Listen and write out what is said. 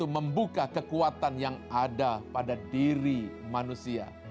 membuka kekuatan yang ada pada diri manusia